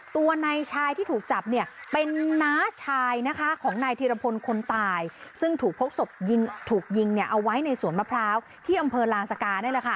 ตัวนายชายที่ถูกจับเป็นน้าชายของนายธิรพลคนตายซึ่งถูกพกศพถูกยิงเอาไว้ในสวนมะพร้าวที่อำเภอลางสกา